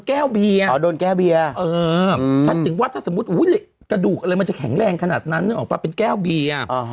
แก้วเบียร์รวดถ้าสมมุติฤหุ้ยกระดูกเลยมันจะแข็งแรงขนาดนั้นออกมาเป็นแก้วเบียร์